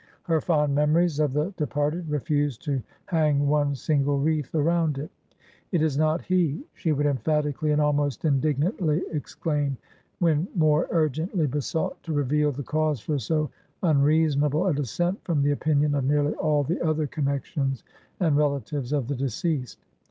Her fond memories of the departed refused to hang one single wreath around it. It is not he, she would emphatically and almost indignantly exclaim, when more urgently besought to reveal the cause for so unreasonable a dissent from the opinion of nearly all the other connections and relatives of the deceased.